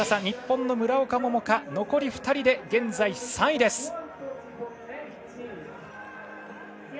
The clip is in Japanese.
日本の村岡桃佳は残り２人で現在３位です。